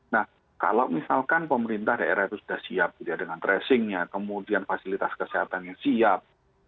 nah kalau misalkan pemerintah daerah itu sudah siap dengan tracingnya kemudian fasilitas kesehatannya siap